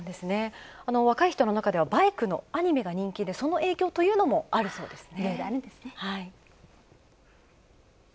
若い人の中ではバイクのアニメが人気でその影響というのもあるそうですね。